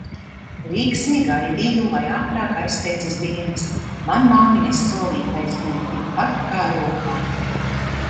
Līksmi gaidīju lai ātrāk aizsteidzas dienas, man māmiņas solītais, bija tik pat kā rokā.